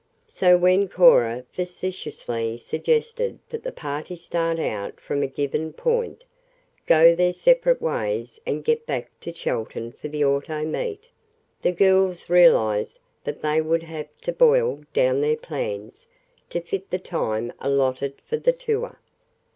So when Cora facetiously suggested that the party start out from a given point, go their separate ways and get back to Chelton for the auto meet, the girls realized that they would have to "boil down their plans" to fit the time allotted for the tour.